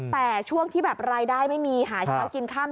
แต่ช่วงที่แบบรายได้ไม่มีหาเช้ากินค่ำ